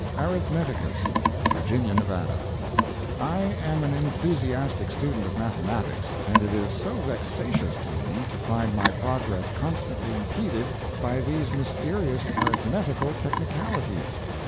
"ARITHMETICUS." Virginia, Nevada. "I am an enthusiastic student of mathematics, and it is so vexatious to me to find my progress constantly impeded by these mysterious arithmetical technicalities.